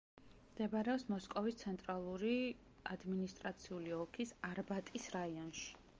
მდებარეობს მოსკოვის ცენტრალური ადმინისტრაციული ოლქის არბატის რაიონში.